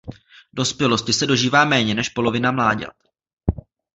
Dospělosti se dožívá méně než polovina mláďat.